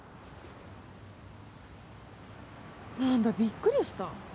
何だびっくりした。